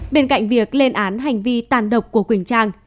bên cạnh việc lên án hành vi tàn độc của quỳnh trang